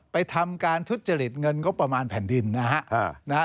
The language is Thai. ทำการทุจริตเงินงบประมาณแผ่นดินนะฮะ